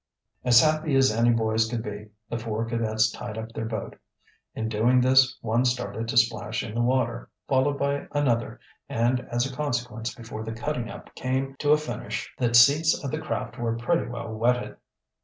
As happy as any boys could be, the four cadets tied up their boat. In doing this one started to splash in the water, followed by another, and as a consequence before the cutting up came to a finish the seats of the craft were pretty well wetted.